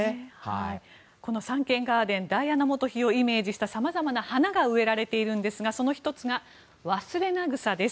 このサンケンガーデンダイアナ元妃をイメージしたさまざまな花が植えられていますがその１つがワスレナグサです。